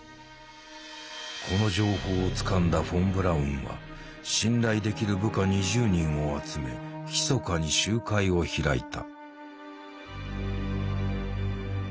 この情報をつかんだフォン・ブラウンは信頼できる部下２０人を集めひそかに集会を開いた。